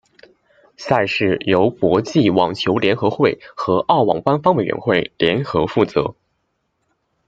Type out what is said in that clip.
赛事由国际网球联合会和澳网官方委员会联合负责。